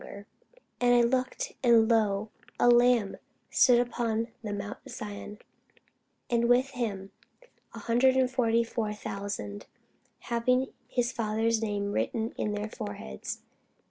[Sidenote: Rev. 17] And I looked, and, lo, a Lamb stood on the mount Sion, and with him an hundred forty and four thousand, having his Father's name written in their foreheads.